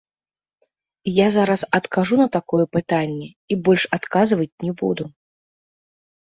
Я зараз адкажу на такое пытанне, і больш адказваць не буду.